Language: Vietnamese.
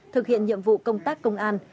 thực hiện nhiệm vụ công tác công an